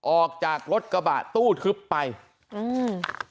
ออกจากรถกระบะตู้ทึบไปอืม